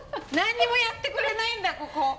何にもやってくれないんだここ。